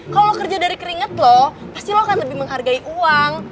kalau kerja dari keringet lo pasti lo akan lebih menghargai uang